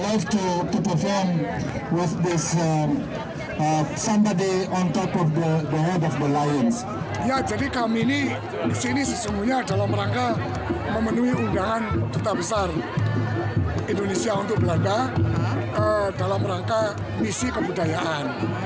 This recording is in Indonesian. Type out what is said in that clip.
ya jadi kami ini sini sesungguhnya dalam rangka memenuhi undangan duta besar indonesia untuk belanda dalam rangka misi kebudayaan